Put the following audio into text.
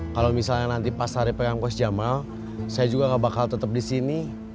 kalau misalnya nanti pas hari pegang bos jamal saya juga gak bakal tetep di sini